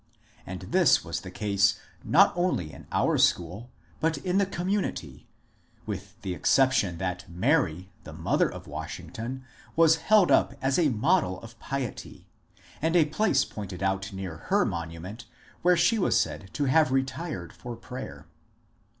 And this was the case not only in our school, but in the community ; with the exception that Mary, the mother of Washington, was held up as a model of piety, and a place pointed out near her monument where she was said to have retired for prayer.